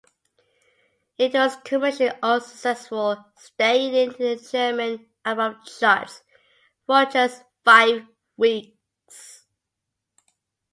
It was commercially unsuccessful, staying in the German Album Charts for just five weeks.